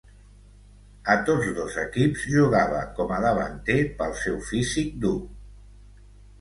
A tots dos equips, jugava com a davanter pel seu físic dur.